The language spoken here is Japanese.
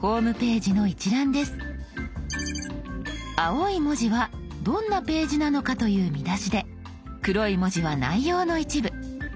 青い文字はどんなページなのかという見出しで黒い文字は内容の一部。